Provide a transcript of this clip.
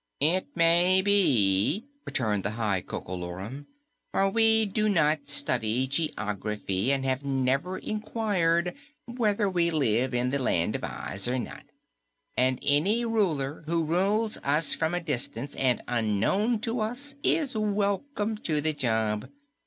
"It may be," returned the High Coco Lorum, "for we do not study geography and have never inquired whether we live in the Land of Oz or not. And any Ruler who rules us from a distance and unknown to us is welcome to the job.